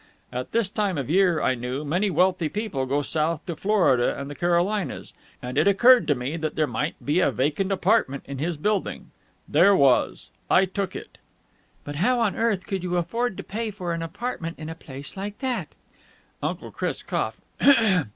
At this time of the year, I knew, many wealthy people go south, to Florida and the Carolinas, and it occurred to me that there might be a vacant apartment in his building. There was. I took it." "But how on earth could you afford to pay for an apartment in a place like that?" Uncle Chris coughed.